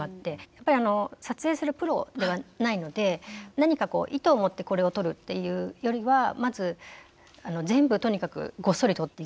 やっぱり撮影するプロではないので何かこう意図を持ってこれを撮るっていうよりはまず全部とにかくごっそり撮って。